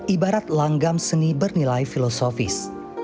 ibarat langgam seni bernilai filosofis